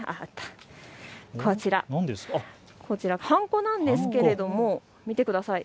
こちら、はんこなんですけれど見てください。